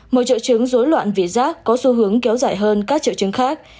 một triệu chứng dối loạn vị rác có xu hướng kéo dài hơn các triệu chứng khác